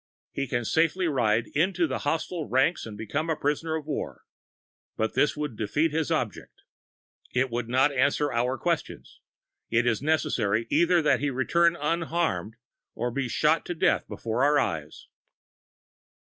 He can safely ride into the hostile ranks and become a prisoner of war. But this would defeat his object. It would not answer our question; it is necessary either that he return unharmed or be shot to death before our eyes.